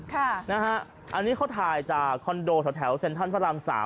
ค่ะนะฮะอันนี้เขาถ่ายจากคอนโดแถวเซ็นตันพระรามสาม